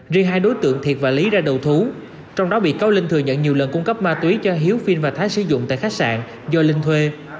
riêng hai đối tượng thiệt và lý ra đầu thú trong đó bị cáo linh thừa nhận nhiều lần cung cấp ma túy cho hiếu phiên và thái sử dụng tại khách sạn do linh thuê